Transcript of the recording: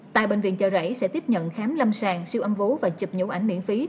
tại bệnh viện chợ rẫy sẽ tiếp nhận khám lâm sàng siêu âm vú và chụp nhẫu ảnh miễn phí